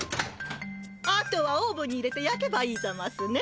あとはオーブンに入れてやけばいいざますね。